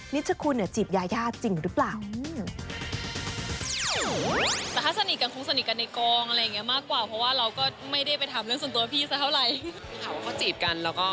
นิตชะคุณเนี่ยจีบยายาจริงรึเปล่า